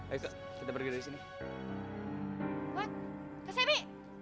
ayo kak kita pergi dari sini